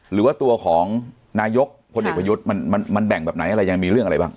หรือว่าตัวของนายกพลเอกประยุทธ์มันแบ่งแบบไหนอะไรยังมีเรื่องอะไรบ้าง